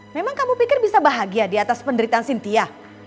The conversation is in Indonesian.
memang kamu pikir bisa bahagia di atas penderitaan cynthia